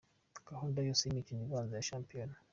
Gahunda yose y’imikino ibanza ya shampiyona.